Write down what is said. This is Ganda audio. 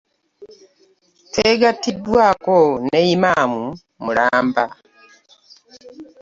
Twegattiddwaako ne yimaamu mulamba.